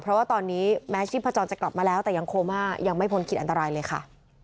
เพราะว่าตอนนี้แม้ชีพจรจะกลับมาแล้วแต่ยังโคม่ายังไม่พ้นขีดอันตรายเลยค่ะ